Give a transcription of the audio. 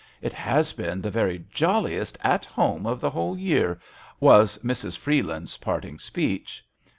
" It has been the very jolliest *at home' of the whole year," was Mrs. Freeland's parting speech.